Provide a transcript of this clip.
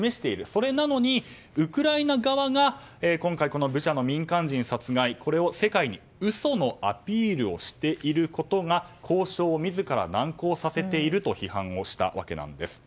それなのにウクライナ側が今回、ブチャの民間人殺害世界に嘘のアピールをしていることが交渉を自ら難航させていると批判をしたわけなんです。